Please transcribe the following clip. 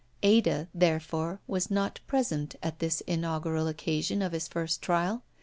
Ada, therefore, was not present at this inaugural occasion of his first trial.